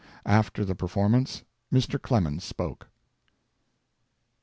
After the performance Mr. Clemens spoke.